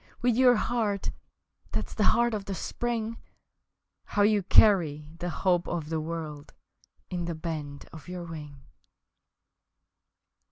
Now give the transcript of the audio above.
with your heart That's the heart of the Spring How you carry the hope of the world In the bend of your wing!